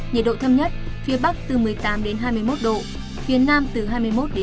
nhiệt độ thâm nhất phía bắc từ một mươi tám hai mươi một độ phía nam từ hai mươi một hai mươi bốn độ